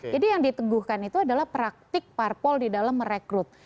jadi yang diteguhkan itu adalah praktik parpol di dalam merekrut